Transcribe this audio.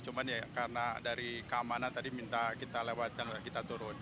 cuma ya karena dari keamanan tadi minta kita lewat jalur kita turun